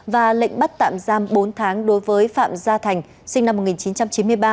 và lệnh bắt tạm giam bốn tháng đối với phạm gia thành sinh năm một nghìn chín trăm chín mươi ba